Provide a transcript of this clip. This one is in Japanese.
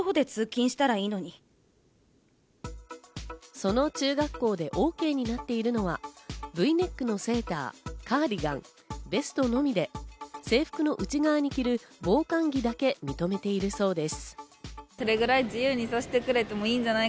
その中学校でＯＫになっているのはＶネックのセーター、カーディガン、ベストのみで制服の内側に着る防寒着だけ認めているそうです。